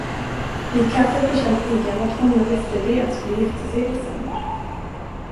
Vid kaffet bekände pigan att hon och Vestergren skulle gifta sig i december.